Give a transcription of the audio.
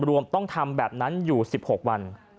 รวมต้องทำแบบนั้นอยู่๑๖วัน